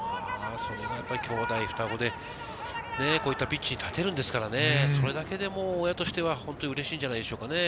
兄弟、双子で、こういうピッチに立てるんですからね、それだけでも親としては本当にうれしいんじゃないでしょうかね。